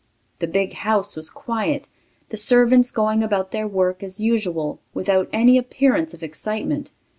The big house was quiet, the servants going about their work as usual, without any appearance of excitement.